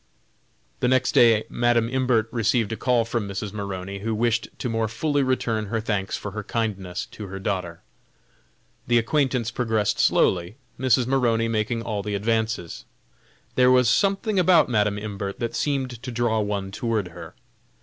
The next day Madam Imbert received a call from Mrs. Maroney, who wished to more fully return her thanks for her kindness to her daughter. The acquaintance progressed slowly, Mrs. Maroney making all the advances. There was something about Madam Imbert that seemed to draw one toward her.